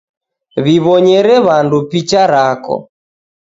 W'iw'onyere w'andu picha rako